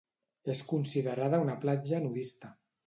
És considerada una platja nudista.